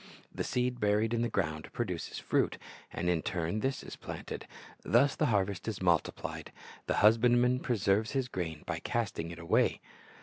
The seed buried in the ground produces fruit, and in turn this is planted. Thus the harvest is multiplied. The husbandman pre serves his grain by casting it away.